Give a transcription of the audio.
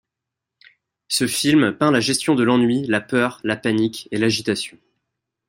Ce film peint la gestion de l'ennui, la peur, la panique et l'agitation.